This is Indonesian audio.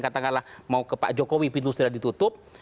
katakanlah mau ke pak jokowi pintu sudah ditutup